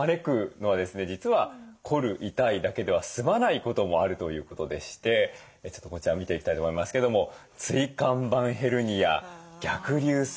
実は凝る痛いだけでは済まないこともあるということでしてちょっとこちらを見ていきたいと思いますけども椎間板ヘルニア逆流性食道炎誤